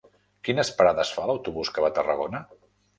Quines parades fa l'autobús que va a Tarragona?